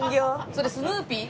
それスヌーピー。